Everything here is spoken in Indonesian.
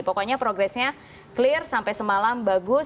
pokoknya progresnya clear sampai semalam bagus